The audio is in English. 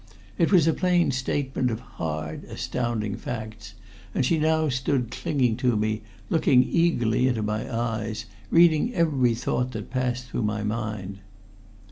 It was a plain statement of hard, astounding facts, and she now stood clinging to me, looking eagerly into my eyes, reading every thought that passed through my mind.